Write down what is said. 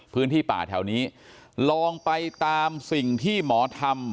พื้นที่ป่าแถวนี้ลองไปตามสิ่งที่หมอทำ